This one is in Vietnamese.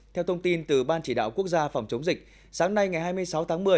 theo thông tin từ ban chỉ đạo quốc gia phòng chống dịch sáng nay ngày hai mươi sáu tháng một mươi